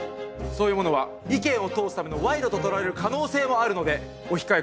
そういうものは意見を通すための賄賂と取られる可能性もあるのでお控えください。